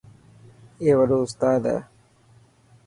اي وڏو استاد هي.